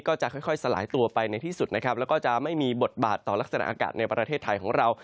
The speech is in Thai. ก็จะค่อยสลายตัวไปในที่สุดนะครับแล้วก็จะไม่มีบทบาทต่อลักษณะอากาศในประเทศไทยของเรา